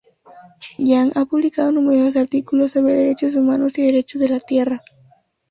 Yang ha publicado numerosos artículos sobre derechos humanos y derechos de la tierra.